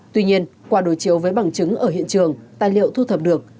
tuy nhiên qua đối chiếu với bằng chứng ở hiện trường tài liệu thu thập được